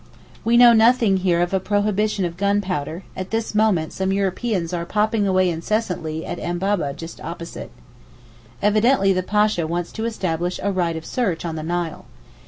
We know nothing here of a prohibition of gunpowder, at this moment some Europeans are popping away incessantly at Embabeh just opposite. Evidently the Pasha wants to establish a right of search on the Nile.